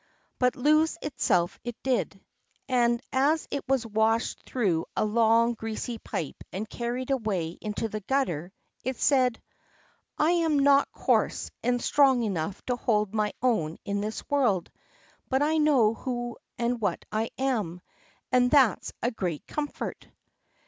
But lose itself it did. And as it was washed through a long, greasy pipe and carried away into the gutter, it said: "I am not coarse and strong enough to hold my own in this world, but I know who and what I am, and that's a great comfort."